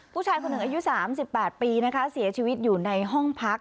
ผู้ชายคนหนึ่งอายุ๓๘ปีนะคะเสียชีวิตอยู่ในห้องพัก